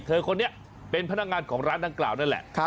คนนี้เป็นพนักงานของร้านดังกล่าวนั่นแหละ